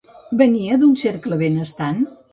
Venia d'un cercle benestant?